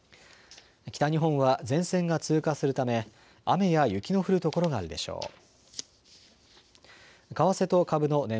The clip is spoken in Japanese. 北日本は前線が通過するため雨や雪の降る所があるでしょう。